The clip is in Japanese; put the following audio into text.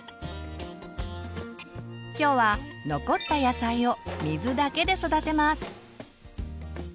今日は残った野菜を水だけで育てます。